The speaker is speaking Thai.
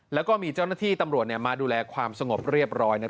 แล้วก็มีเจ้าหน้าที่ตำรวจมาดูแลความสงบเรียบร้อย